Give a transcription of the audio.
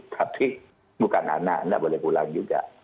tapi bukan anak tidak boleh pulang juga